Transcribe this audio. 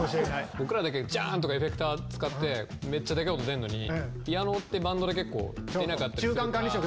僕らだけジャーンとかエフェクター使ってめっちゃでかい音出んのにピアノってバンドで結構出なかったりするから。